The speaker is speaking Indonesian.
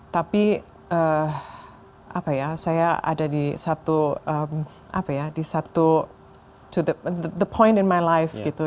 tapi apa ya saya ada di satu apa ya di satu the point and my life gitu